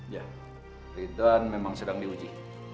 ya return memang sedang diuji